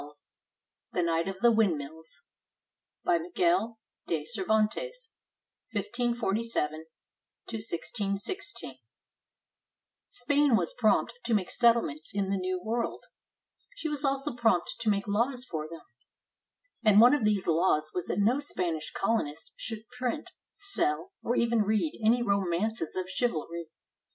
498 THE KNIGHT OF THE WINDMILLS BY MIGUEL DE CERVANTES [1547 1616] [Spain was prompt to make settlements in the New World, She was also prompt to make laws for them; and one of these laws was that no Spanish colonist should print, sell, or even read any romances of chivalry.